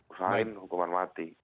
usahain hukuman mati